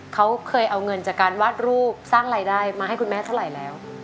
เขาเคยเอาเงินจากการวาดรูปสร้างรายได้มาให้คุณแม่เท่าไหร่แล้ว